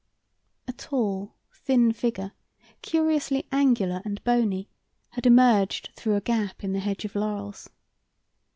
A tall, thin figure, curiously angular and bony, had emerged through a gap in the hedge of laurels.